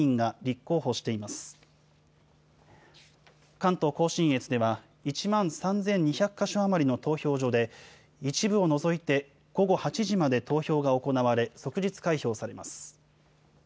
関東甲信越では、１万３２００か所余りの投票所で、一部を除いて、午後８時まで投票が行われ、即日開票されます。